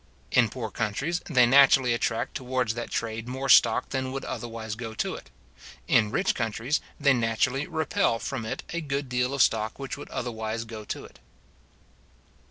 In poor countries, they naturally attract towards that trade more stock than would otherwise go to it. In rich countries, they naturally repel from it a good deal of stock which would otherwise go to it.